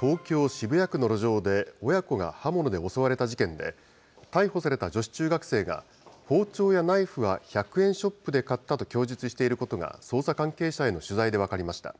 東京・渋谷区の路上で、親子が刃物で襲われた事件で、逮捕された女子中学生が、包丁やナイフは１００円ショップで買ったと供述していることが、捜査関係者への取材で分かりました。